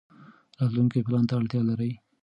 راتلونکی پلان ته اړتیا لري.